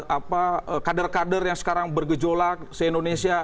apa kader kader yang sekarang bergejolak se indonesia